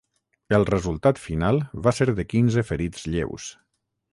El resultat final va ser de quinze ferits lleus.